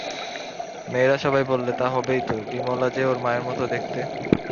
মেয়েরা সবাই বললে, তা হবেই তো, বিমলা যে ওর মায়ের মতো দেখতে।